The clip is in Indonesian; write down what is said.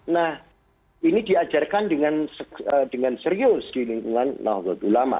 nah ini diajarkan dengan serius di lingkungan nalutulama